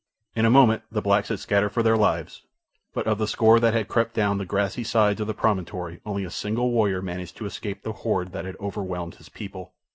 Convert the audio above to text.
In a moment the blacks had scattered for their lives, but of the score that had crept down the grassy sides of the promontory only a single warrior managed to escape the horde that had overwhelmed his people.